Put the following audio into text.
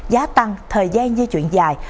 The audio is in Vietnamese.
giá tăng thời gian di chuyển dài